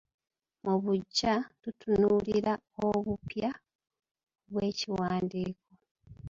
Mu buggya tutunuulira obupya bw’ekiwandiiko